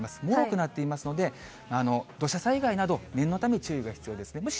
もろくなっていますので、土砂災害など、念のため、注意が必要ですね。